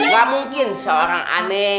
gak mungkin seorang aneh